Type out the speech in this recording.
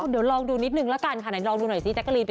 เดี๋ยวลองดูนิดนึงละกันค่ะ